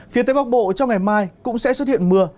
phía tây bắc bộ trong ngày mai cũng sẽ xuất hiện mưa